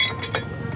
gue sama bapaknya